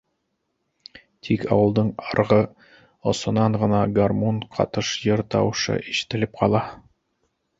Тик ауылдың арғы осонан ғына гармун ҡатыш йыр тауышы ишетелеп ҡала.